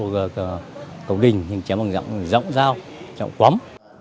và cầu đình chém bằng giọng dao giọng quấm